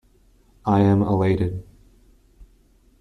I am elated.